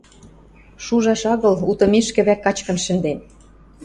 Шужаш агыл, утымешкӹ вӓк качкын шӹнден.